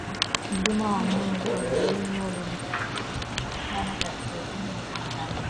Mlima wa Mungu Ol Doinyo Lengai unapatikana kaskazini mwa Tanzania